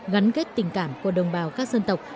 gắn kết tình cảm của đồng bào các dân tộc